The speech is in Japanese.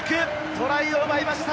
トライを奪いました！